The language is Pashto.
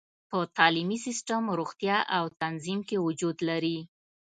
په تعلیمي سیستم، روغتیا او تنظیم کې وجود لري.